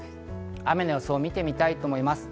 雨の予想を見てみます。